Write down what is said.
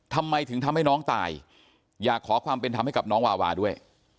ทำไมถึงทำให้น้องตายอยากขอความเป็นธรรมให้กับน้องวาวาด้วย